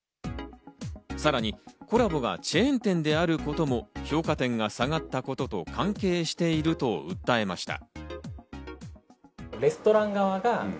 さらにＫｏｌｌａＢｏがチェーン店であることも評価点が下がったことと関係していると訴えました。